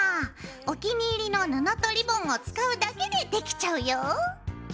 お気に入りの布とリボンを使うだけでできちゃうよ。